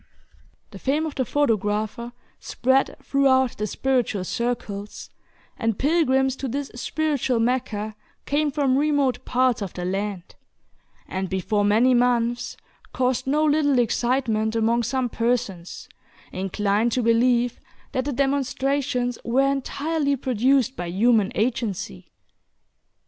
The fame of the photographer spread throughout the "spiritual circles," and pilgrims to this spiritual Mecca came from remote parts of the land, and before many months, caused no little excitement among some persons, inclined to believe that the demonstrations were entirely produced by human agency.